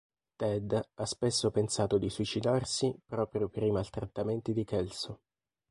Ted ha spesso pensato di suicidarsi proprio per i maltrattamenti di Kelso.